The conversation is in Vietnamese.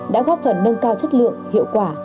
đã góp phần nâng cao chất lượng hiệu quả